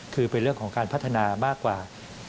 คือเป็นเรื่องของการพัฒนามากกว่า